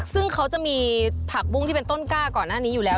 ซึ่งเขาจะมีผักบุ้งที่เป็นต้นกล้าก่อนหน้านี้อยู่แล้ว